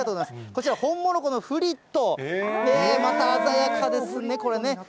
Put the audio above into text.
こちら、ホンモロコのフリット、また鮮やかですね、これね。